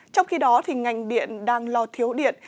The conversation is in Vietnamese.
trong khi đó ngành điện đang lo thiếu điện